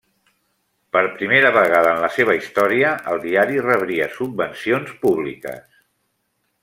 Per primera vegada en la seva història el diari rebria subvencions públiques.